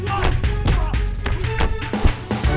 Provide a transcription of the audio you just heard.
aku udah sampai